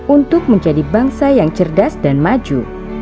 untuk menjadi bangsa yang cerdas dan maju